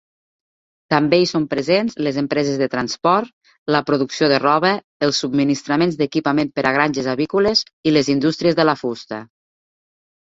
També hi són presents les empreses de transport, la producció de roba, els subministraments d'equipament per a granges avícoles i les indústries de la fusta.